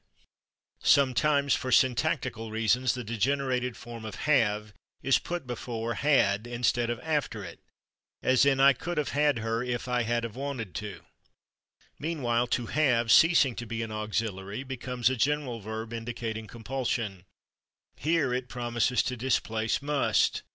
Sometimes for syntactical reasons, the degenerated form of /have/ is put before /had/ instead of after it, as in "I could /of/ had her if I had /of/ wanted to." Meanwhile, /to have/, ceasing to be an auxiliary, becomes a general verb indicating compulsion. Here it promises to displace /must